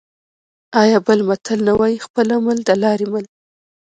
آیا بل متل نه وايي: خپل عمل د لارې مل؟